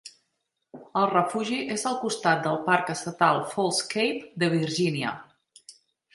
El refugi és al costat del Parc Estatal False Cape de Virgínia.